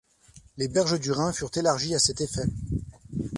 Les berges du Rhin furent élargies à cet effet.